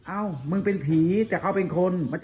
อ้าวมึงเป็นผีแต่เขาเป็นคนมันจะ